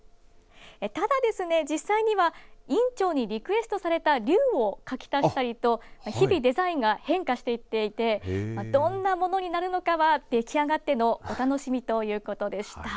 ただですね、実際には院長にリクエストされた竜を描き足したりと日々デザインが変化していっていてどんなものになるかは出来あがってのお楽しみということでした。